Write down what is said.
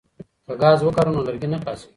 که ګاز وکاروو نو لرګي نه خلاصیږي.